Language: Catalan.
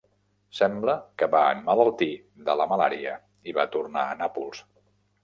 Sembla que va emmalaltir de la malària i va tornar a Nàpols.